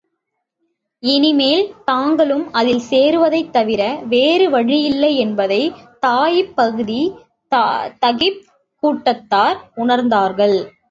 இனிமேல் தாங்களும் அதில் சேருவதைத் தவிர வேறு வழியில்லை என்பதை தாயிப் பகுதி தகீப் கூட்டத்தார் உணர்ந்தார்கள்.